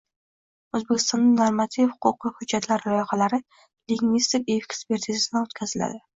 O‘zbekistonda normativ-huquqiy hujjatlar loyihalari lingvistik ekspertizadan o‘tkaziladi